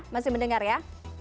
masih mendengar ya